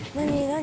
「何？